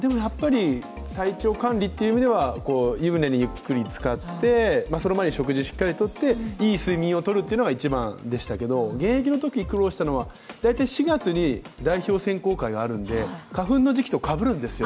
体調管理という意味では湯船にゆっくりつかって、その前に食事をしっかりとっていい睡眠を取るというのが一番でしたけど、現役のとき苦労したのは大体４月に代表選考会があるので花粉の時期とかぶるんですよ。